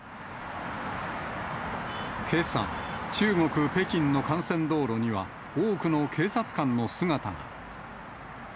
けさ、中国・北京の幹線道路には、多くの警察官の姿が。